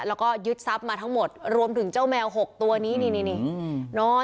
แล้วก็ยึดทรัพย์มาทั้งหมดรวมถึงเจ้าแมว๖ตัวนี้นี่นอน